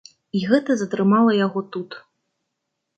І гэта затрымала яго тут.